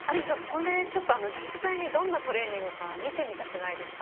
これ実際にどんなトレーニングか見てみたくないですか？